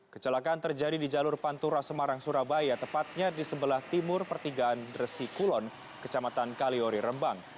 kecelakaan terjadi di jalur pantura semarang surabaya tepatnya di sebelah timur pertigaan resikulon kecamatan kaliori rembang